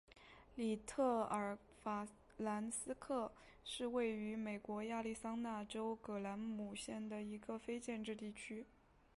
里特尔法兰克斯是位于美国亚利桑那州葛兰姆县的一个非建制地区。